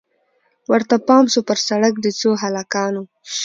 ورته پام سو پر سړک د څو هلکانو